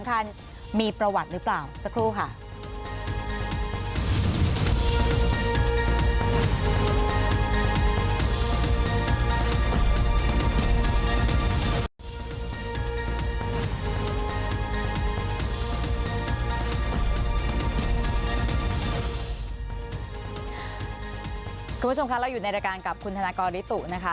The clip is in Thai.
คุณผู้ชมคะเราอยู่ในรายการกับคุณธนากริตุนะคะ